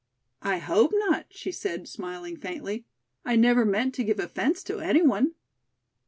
"I hope not," she said, smiling faintly. "I never meant to give offence to any one."